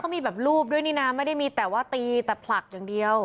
มีแบบรูปด้วยนี่นะไม่ได้มีแต่ว่าตีแต่ผลักอย่างเดียว